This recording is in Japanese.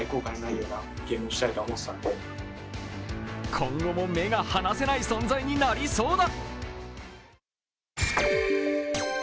今後も目が離せない存在になりそうだ。